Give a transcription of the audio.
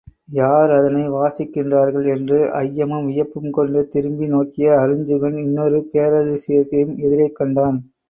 யார் அதனை வாசிக்கின்றார்கள்? என்று ஐயமும் வியப்பும் கொண்டு திரும்பி நோக்கிய அருஞ்சுகன் இன்னொரு பேரதிசத்தையும் எதிரே கண்டான்.